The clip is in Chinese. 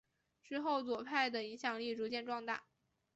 之后左派的影响力逐渐壮大。